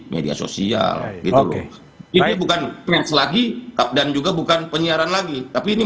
media sosial gitu loh ini bukan prince lagi dan juga bukan penyiaran lagi tapi ini